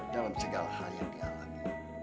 dalam segala hal yang dia alami